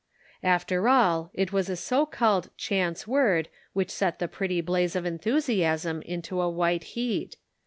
After all it was a so called chance word which set the pretty blaze of enthusiasm into a white heat.